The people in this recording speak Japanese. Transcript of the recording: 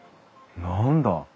何だ？